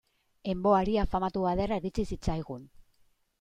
En vo aria famatua ederra iritsi zitzaigun.